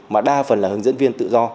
mà đa phần là hướng dẫn viên tự do